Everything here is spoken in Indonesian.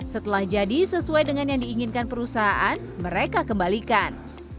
setelah jadi sesuai dengan yang diinginkan perusahaan mereka kembalikan